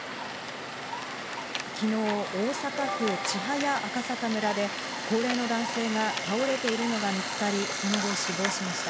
昨日、大阪府千早赤阪村で高齢の男性が倒れているのが見つかり、その後、死亡しました。